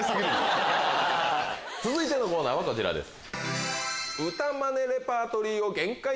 続いてのコーナーはこちらです。